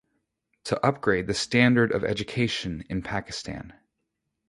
To upgrade the Standard of Education in Pakistan.